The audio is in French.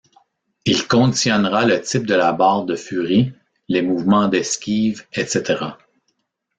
Il conditionnera le type de la barre de furie, les mouvements d'esquive, etc.